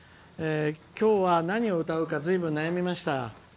今日は、何を歌うかずいぶん悩みました。